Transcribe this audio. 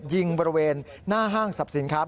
ยิงบริเวณหน้าห้างศัพท์สินครับ